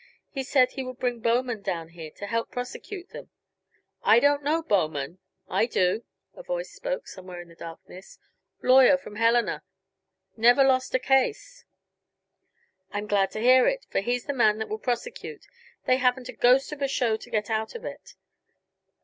He said he would bring Bowman down here to help prosecute them. I don't know Bowman " "I do," a voice spoke, somewhere in the darkness. "Lawyer from Helena. Never lost a case." "I'm glad to hear it, for he's the man that will prosecute. They haven't a ghost of a show to get out of it.